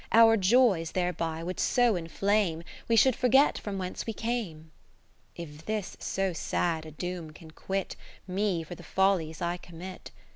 Our joys thereby would so inflame. We should forget from whence we came. V If this so sad a doom can quit Me for the follies I commit ; To Rosa?